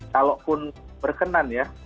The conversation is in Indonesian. kalaupun berkenan ya